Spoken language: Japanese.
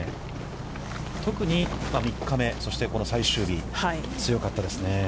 特に、３日目、そして、この最終日、強かったですね。